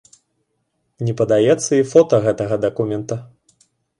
Не падаецца і фота гэтага дакумента.